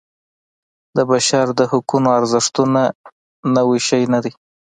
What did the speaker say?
د بشر د حقونو ارزښتونه نوی شی نه دی.